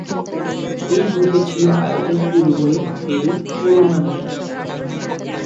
এই গ্রুপে ছিল আয়োজক উরুগুয়ে, পেরু ও রোমানিয়া।